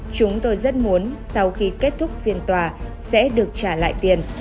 chúng tôi rất muốn sau khi kết thúc phiên tòa sẽ được trả lại tiền